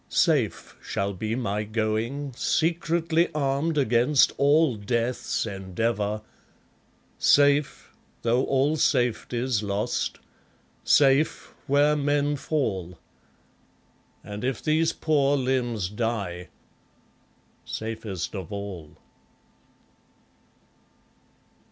Safe shall be my going, Secretly armed against all death's endeavour; Safe though all safety's lost; safe where men fall; And if these poor limbs die, safest of all.